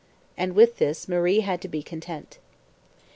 And with that Marie had to be content.